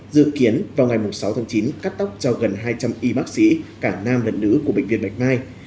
dự kiến vào ngày sáu tháng chín cắt tóc cho gần hai trăm linh y bác sĩ cả nam lẫn nữ của bệnh viện bạch mai